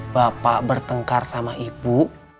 bapak bertengkar sama ibu